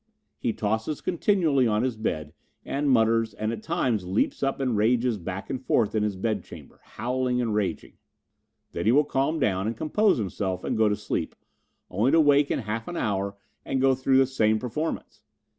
He tosses continually on his bed and mutters and at times leaps up and rages back and forth in his bedchamber, howling and raging. Then he will calm down and compose himself and go to sleep, only to wake in half an hour and go through the same performance.